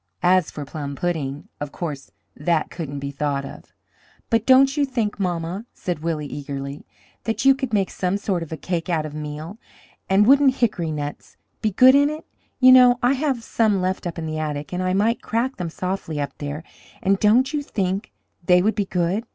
As for plum pudding, of course that couldn't be thought of. "But don't you think, mamma," said Willie eagerly, "that you could make some sort of a cake out of meal, and wouldn't hickory nuts be good in it? You know I have some left up in the attic, and I might crack them softly up there, and don't you think they would be good?"